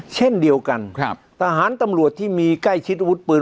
เช่นเดียวกันครับทหารตำรวจที่มีใกล้ชิดอาวุธปืน